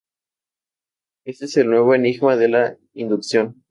Este es el nuevo enigma de la inducción.